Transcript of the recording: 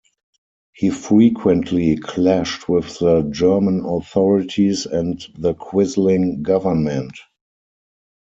He frequently clashed with the German authorities and the quisling government.